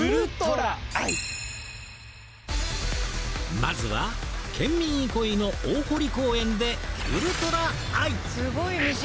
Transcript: まずは県民いこいの大濠公園で「ウルトラアイ」！